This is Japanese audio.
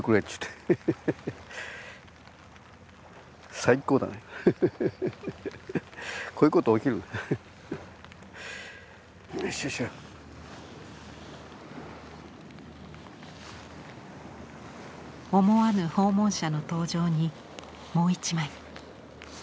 思わぬ訪問者の登場にもう一枚。